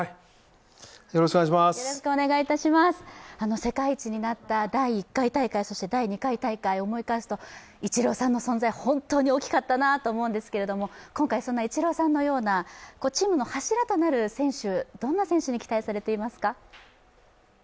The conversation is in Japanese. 世界一になった第１回大会、そして第２回大会を思い返すとイチローさんの存在、本当に大きかったなと思うんですけれども、今回、そんなイチローさんのようなチームの柱となる選手、どんな選手に期待されていますか？